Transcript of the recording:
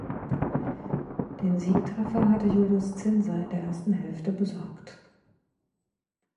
Den Siegtreffer hatte Julius Zinser in der ersten Hälfte besorgt.